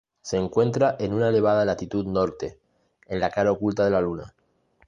Se encuentra en una elevada latitud norte, en la cara oculta de la Luna.